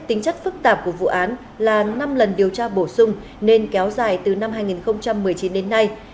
tính chất phức tạp của vụ án là năm lần điều tra bổ sung nên kéo dài từ năm hai nghìn một mươi chín đến nay